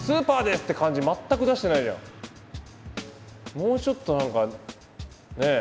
もうちょっと何かねえ